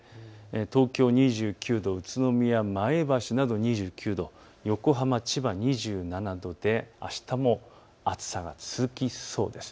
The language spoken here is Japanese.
東京２９度、宇都宮、前橋など２９度、横浜、千葉２７度であしたも暑さが続きそうです。